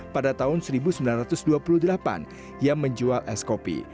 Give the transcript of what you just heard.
pada tahun seribu sembilan ratus dua puluh delapan ia menjual es kopi